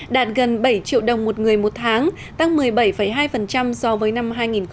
đạt gần bảy triệu đồng một người một tháng tăng một mươi bảy hai so với năm hai nghìn một mươi